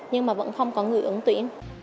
nhưng mà vẫn không có người ứng tuyển